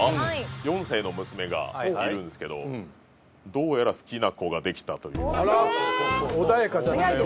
４歳の娘がいるんですけどどうやら好きな子ができたというあら穏やかじゃないね